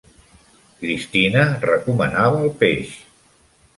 Christina recomanava el peix.